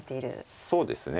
そうですね。